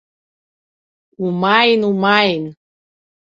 Умааин, умааин!